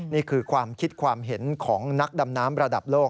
นี่คือความคิดความเห็นของนักดำน้ำระดับโลก